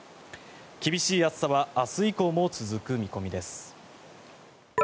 厳しい暑さは明日以降も続く見込みです。